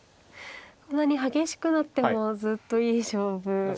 こんなに激しくなってもずっといい勝負なんですね。